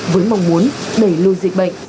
với mong muốn đẩy lưu dịch bệnh